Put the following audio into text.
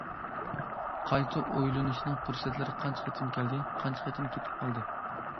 قايتا ئويلىنىشنىڭ پۇرسەتلىرى قانچە قېتىم كەلدى، قانچە قېتىم كېتىپ قالدى.